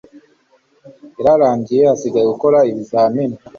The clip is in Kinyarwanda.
yararangiye hasigaye gukora ibizamini